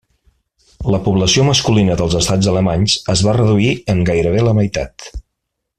La població masculina dels estats alemanys es va reduir en gairebé la meitat.